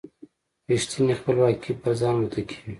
رېښتینې خپلواکي پر ځان متکي وي.